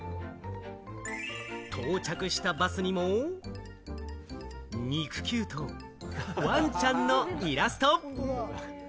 到着したバスにも、肉球とワンちゃんのイラスト。